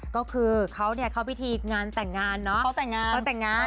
ก็คือเขาเนี่ยเข้าพิธีงานแต่งงานเนอะเขาแต่งงานเขาแต่งงาน